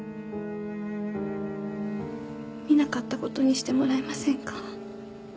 見なかったことにしてもらえませんか？